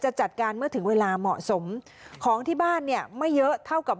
จัดการเมื่อถึงเวลาเหมาะสมของที่บ้านเนี่ยไม่เยอะเท่ากับ